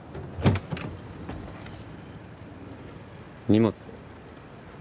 荷物。